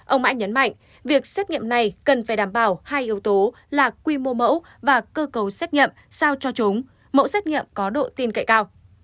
ông anh nhấn mạnh việc xét nghiệm này cần phải đảm bảo hai yếu tố là quy mô mẫu và cơ cấu xét nghiệm sao cho chúng mẫu xét nghiệm có độ tin cậy cao